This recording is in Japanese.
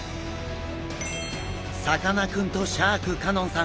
さかなクンとシャーク香音さん